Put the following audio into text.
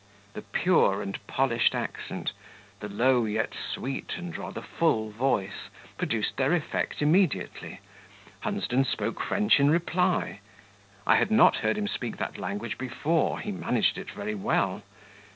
The pure and polished accent, the low yet sweet and rather full voice, produced their effect immediately; Hunsden spoke French in reply; I had not heard him speak that language before; he managed it very well.